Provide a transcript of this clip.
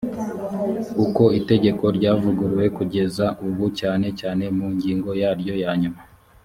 uko itegeko ryavuguruwe kugeza ubu cyane cyane mu ngingo yaryo ya nyuma